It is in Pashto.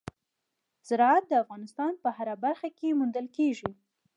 زراعت د افغانستان په هره برخه کې موندل کېږي.